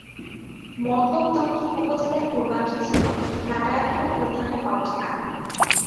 মতলব দক্ষিণ উপজেলার পূর্বাংশে ছিল নারায়ণপুর ইউনিয়নের অবস্থান।